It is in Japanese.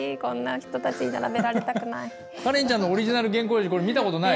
カレンちゃんのオリジナル原稿用紙これ見た事ない？